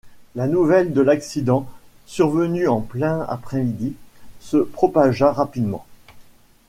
La nouvelle de l'accident, survenu en plein après-midi, se propagea rapidement.